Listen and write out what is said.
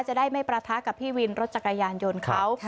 จะได้ไม่ประทะกับพี่วินรถจักรยานยนต์เขา